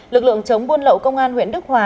lực lượng chống buôn lậu công an huyện đức hòa